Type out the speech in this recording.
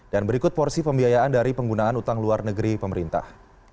dan berikut porsi pembiayaan dari penggunaan utang luar negeri pemerintah